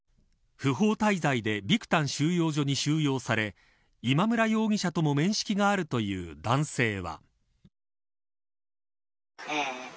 不法滞在でビクタン収容所に収容され今村容疑者とも面識があるという男性は。